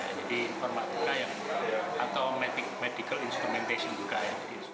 jadi informatika atau medical instrumentation juga